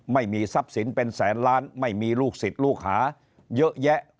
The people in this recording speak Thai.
ไม่มีทรัพย์สินเป็นแสนล้านไม่มีลูกศิษย์ลูกหาเยอะแยะ